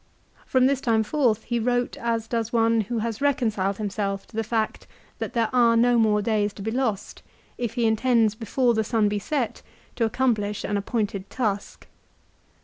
From this time forth he wrote as does one who has reconciled himself to the fact that there are no more days to be lost if he intends before the sun be set to accomplish an appointed task.